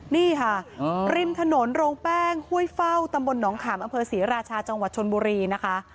นี่ค่ะริมถนนโรงแป้งห้วยเฝ้าตำบลหนองขามอำเภอศรีราชาจังหวัดชนบุรีนะคะ